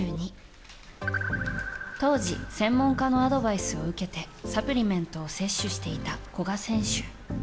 当時、専門家のアドバイスを受けてサプリメントを摂取していた古賀選手。